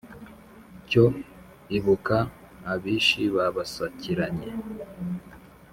Cyo ibuka abishi babasakiranye,